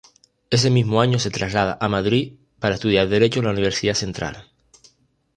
Ese mismo año se traslada a Madrid para estudiar Derecho en la Universidad Central.